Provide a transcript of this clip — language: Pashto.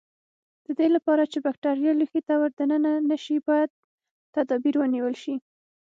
د دې لپاره چې بکټریا لوښي ته ور دننه نشي باید تدابیر ونیول شي.